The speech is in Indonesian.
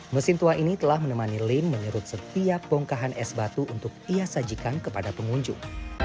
mesin tua ini telah menemani lim menyerut setiap bongkahan es batu untuk ia sajikan kepada pengunjung